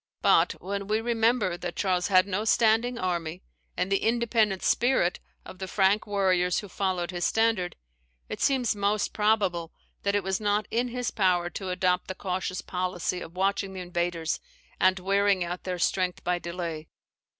But, when we remember that Charles had no standing army, and the independent spirit of the Frank warriors who followed his standard, it seems most probable that it was not in his power to adopt the cautious policy of watching the invaders, and wearing out their strength by delay.